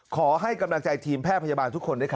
ขอให้กำลังใจทีมแพทยาบาลทุกคนได้ค่ะ